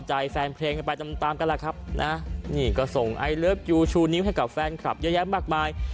ชูนิ้วให้กับแฟนคลับเยอะแยะมากมาย